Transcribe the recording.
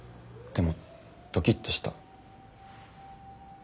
でもドキッとした。